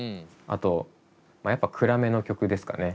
あとやっぱ暗めの曲ですかね。